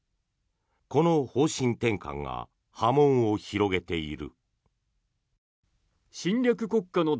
この方針転換が波紋を広げている。